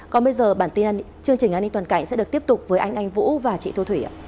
còn bây giờ bản tin chương trình an ninh toàn cảnh sẽ được tiếp tục với anh anh vũ và chị thu thủy ạ